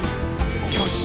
「よし！